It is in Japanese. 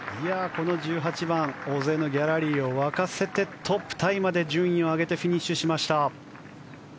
この１８番、大勢のギャラリーを沸かせてトップタイまで順位を上げてフィニッシュしました。